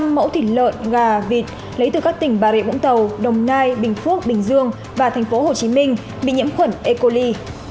một trăm linh mẫu thịt lợn gà vịt lấy từ các tỉnh bà rịa vũng tàu đồng nai bình phúc bình dương và tp hcm bị nhiễm khuẩn e coli